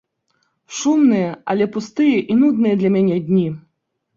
Шумныя, але пустыя і нудныя для мяне дні!